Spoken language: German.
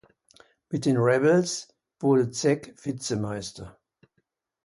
Mit den Rebels wurde Zec Vizemeister.